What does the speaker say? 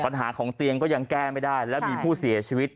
ปัญหาของเตียงก็ยังแก้ไม่ได้แล้วมีผู้เสียชีวิต